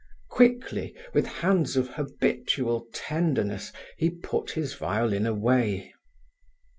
Quickly, with hands of habitual tenderness, he put his violin away.